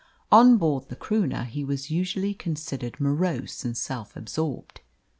On board the Croonah he was usually considered morose and self absorbed.